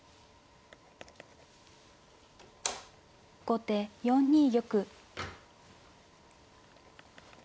後手４二玉。